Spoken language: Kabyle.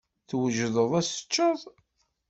Twejdeḍ ad tecceḍ?